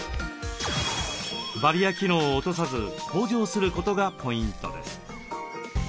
バリア機能を落とさず向上することがポイントです。